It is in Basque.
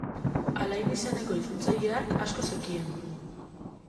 Alain izeneko itzultzaile hark asko zekien.